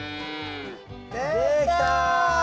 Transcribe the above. できた！